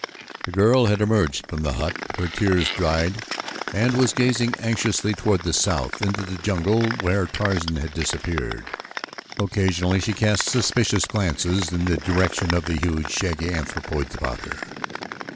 The girl had emerged from the hut, her tears dried and was gazing anxiously toward the south into the jungle where Tarzan had disappeared. Occasionally she cast suspicious glances in the direction of the huge shaggy anthropoids about her.